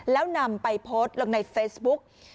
แล้วนำไปโพสต์ลงในเฟซบุ๊ก